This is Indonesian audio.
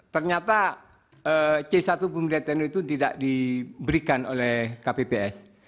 ternyata c satu bumd nu itu tidak diberikan oleh kpps